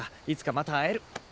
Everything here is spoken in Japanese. いつかまた会える。